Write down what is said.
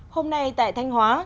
hôm nay tại thanh hóa